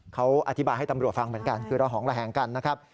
เขาอธิบายให้ตำรวจฟังเหมือนกันคือระหองระแหงกันนะครับ